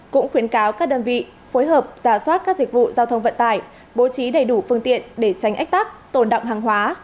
cũng khuyến cáo các đơn vị phối hợp giả soát các dịch vụ giao thông vận tải bố trí đầy đủ phương tiện để tránh ách tắc tồn đọng hàng hóa